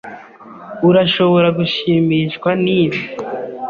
Urashobora gushimishwa nibi.